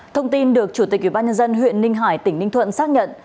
thông tin được chủ tịch ubnd huyện ninh hải tỉnh ninh thuận xác nhận